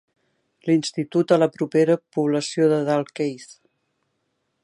(...) l'institut a la propera població de Dalkeith.